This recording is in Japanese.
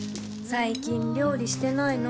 最近料理してないの？